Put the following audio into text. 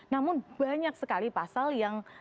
namun banyak sekali pasal yang seakan akan sudah baik